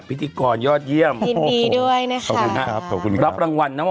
พิธีกรยอดเยี่ยมยินดีด้วยนะคะขอบคุณครับขอบคุณครับรับรางวัลนะ